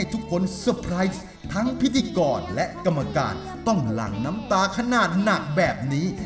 ทุกคนเซอร์ไพรส์ทั้งพิธีกรและกรรมการต้องหลั่งน้ำตาขนาดหนักแบบนี้